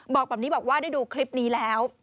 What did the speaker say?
บอกแบบนี้บอกว่าได้ดูคลิปนี้แล้ว